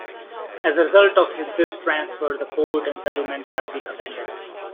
As a result of this transfer, the port and settlement have been abandoned.